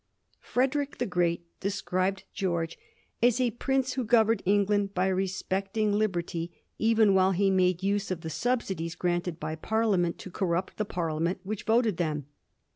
Frederick the Great described George as a prince who governed England by respecting liberty, even while he made use of tiie subsidies granted by Parliament to corrupt the Parliament which voted them.